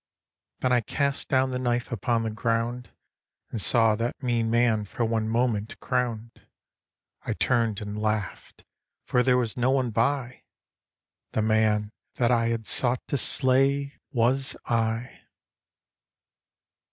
Then I cast down the knife upon the ground And saw that mean man for one moment crowned. I turned and laughed: for there was no one by The man that I had sought to slay was I.